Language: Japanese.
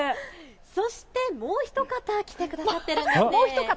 そしてもう一方、来てくださっているんです。